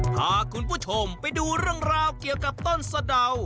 พาคุณผู้ชมไปดูเรื่องราวเกี่ยวกับต้นสะดาว